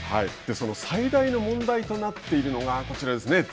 その最大の問題となっているのがこちらですね。